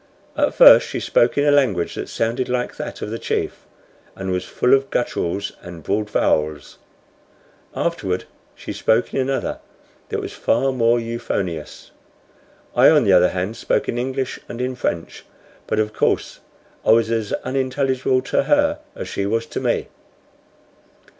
At first she spoke in a language that sounded like that of the chief, and was full of gutturals and broad vowels; afterward she spoke in another that was far more euphonious. I, on the other hand spoke in English and in French; but of course I was as unintelligible to her as she was to me.